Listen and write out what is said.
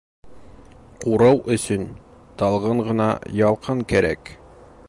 Ҡурыу өсөн талғын ғына ялҡын кәрәк